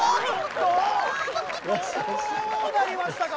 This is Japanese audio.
どうなりましたか？